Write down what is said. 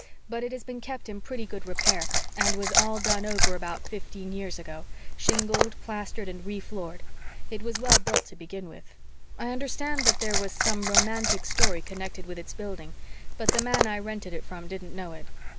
But it has been kept in pretty good repair, and was all done over about fifteen years ago shingled, plastered and re floored. It was well built to begin with. I understand that there was some romantic story connected with its building, but the man I rented it from didn't know it."